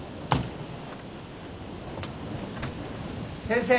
先生。